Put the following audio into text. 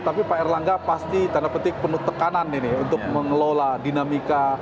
tapi pak erlangga pasti tanda petik penuh tekanan ini untuk mengelola dinamika